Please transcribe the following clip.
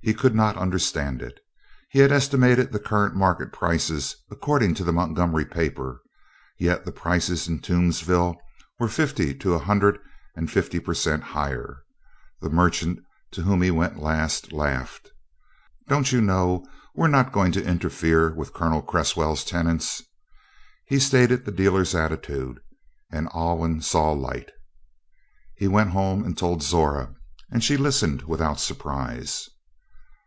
He could not understand it. He had estimated the current market prices according to the Montgomery paper, yet the prices in Toomsville were fifty to a hundred and fifty per cent higher. The merchant to whom he went last, laughed. "Don't you know we're not going to interfere with Colonel Cresswell's tenants?" He stated the dealers' attitude, and Alwyn saw light. He went home and told Zora, and she listened without surprise.